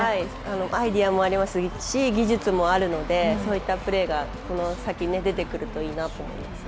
アイデアもありますし技術もあるのでそういったプレーがこの先、出てくるといいなと思っています。